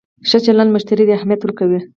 ښه چلند مشتری ته اهمیت ورکوي.